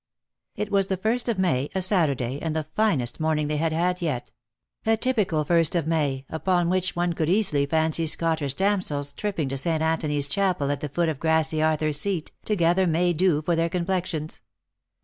It was the first of May, a Saturday, and the finest morning they had had yet; a typical first of Mav, upon which one could easily fancy Scottish damsels tripping to St. Anthony's chapel at the foot of grassy Arthur's Seat, to gather May dew for their complexions.